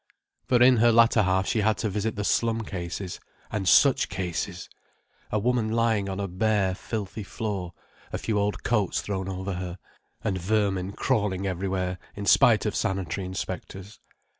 For in her latter half she had to visit the slum cases. And such cases! A woman lying on a bare, filthy floor, a few old coats thrown over her, and vermin crawling everywhere, in spite of sanitary inspectors.